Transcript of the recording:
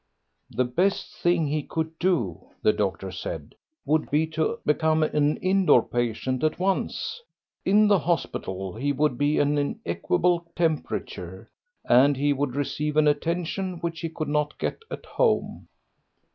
"The best thing he could do," the doctor said, "would be to become an in door patient at once. In the hospital he would be in an equable temperature, and he would receive an attention which he could not get at home."